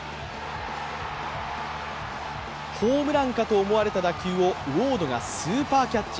ホームランかと思われた打球をウォードがスーパーキャッチ。